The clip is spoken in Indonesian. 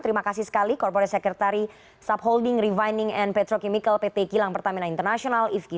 terima kasih sekali korporat sekretari subholding revining and petrochemical pt kilang pertamina international ifki